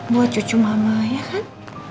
buat cucu mama ya kan